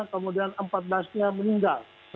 kemudian empat belas nya meninggal